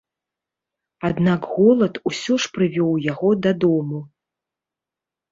Аднак голад усё ж прывёў яго дадому.